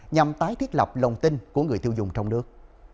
nhằm tái thiết lập lòng tin của người tiêu dùng trong nước